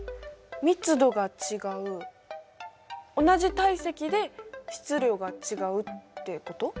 密度が違う同じ体積で質量が違うってこと？